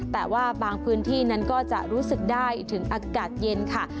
แต่ว่าบางพื้นที่นั้นก็จะรู้สึกได้ถึงอากาศเย็นค่ะ